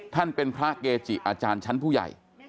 ท่านเป็นพระเกจิอาจารย์ชั้นผู้ใหญ่